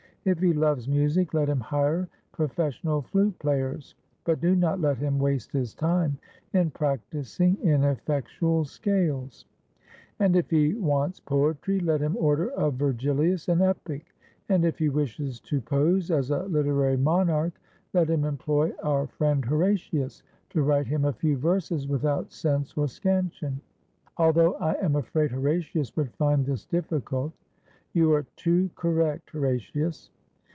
If he loves music, let him hire professional flute players, but do not let him waste his time in practicing ineffectual scales ; and if he wants poetry let him order of Vergilius an epic, and if he wishes to pose as a literary monarch let him employ our friend Horatius to write him a few verses without sense or scansion — although I am afraid Horatius would find this difi&cult. You are too correct, Horatius.